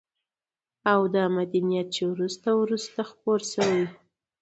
او دا مدنيت چې وروسته وروسته خپور شوى